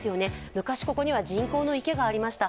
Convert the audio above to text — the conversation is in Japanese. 昔ここには人工の池がありました。